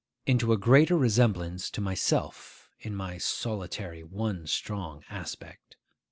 into a greater resemblance to myself in my solitary one strong aspect.